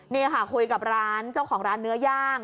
นี่ค่ะคุยกับร้านเจ้าของร้านเนื้อย่าง